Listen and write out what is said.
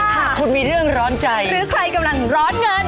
หากคุณมีเรื่องร้อนใจหรือใครกำลังร้อนเงิน